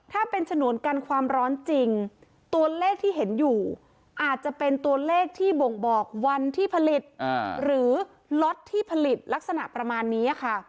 ถ้าเป็นฉนวนกันความร้อนจริงตัวเลขที่เห็นอยู่อาจจะเป็นตัวเลขที่บ่งบอกวันที่ผลิตหรือล็อตที่ผลิตลักษณะประมาณนี้ค่ะ